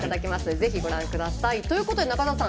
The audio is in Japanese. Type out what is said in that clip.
ぜひ、ご覧ください。ということで、中澤さん